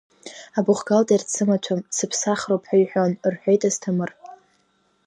Абухгалтер дсымаҭәам, дсыԥсахроуп ҳәа иҳәон, — рҳәеит, Асҭамыр.